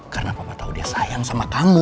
karena papa tau dia sayang sama kamu